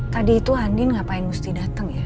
tadi itu andin ngapain mesti datang ya